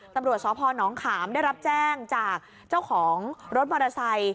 ตำรวจสพนขามได้รับแจ้งจากเจ้าของรถมอเตอร์ไซค์